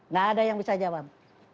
nggak ada yang bisa jawab